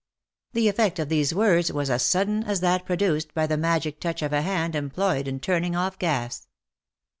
The effect of these words was as sudden as that produced by the magic touch of a hand employed in turning off gas.